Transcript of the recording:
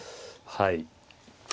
はい。